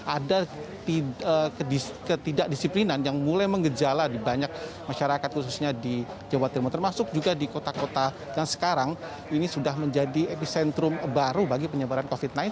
ada ketidakdisiplinan yang mulai mengejala di banyak masyarakat khususnya di jawa timur termasuk juga di kota kota yang sekarang ini sudah menjadi epicentrum baru bagi penyebaran covid sembilan belas